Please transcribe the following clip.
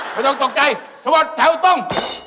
ไม่ต้องตกใจสมบัติแถวต้ง